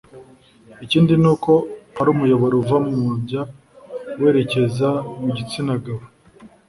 Ikindi ni uko hari umuyoboro uva mu mabya werekeza mu gitsinagabo